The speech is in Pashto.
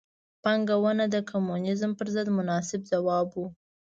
پانګونه د کمونیزم پر ضد مناسب ځواب و.